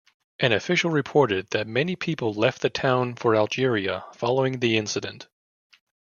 An official reported that many people left the town for Algeria following the incident.